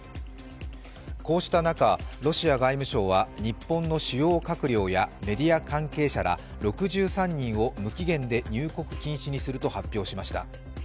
こうした中、ロシア外務省は日本の主要閣僚やメディア関係者ら６３人を無期限で入国禁止にすると発表しました。